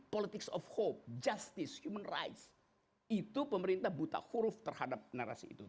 politics of hope justice human rights itu pemerintah buta huruf terhadap narasi itu